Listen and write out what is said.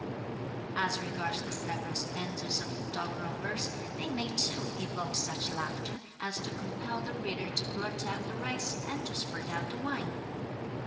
"As regards the several stanzas of doggerel verse, they may too evoke such laughter as to compel the reader to blurt out the rice, and to spurt out the wine.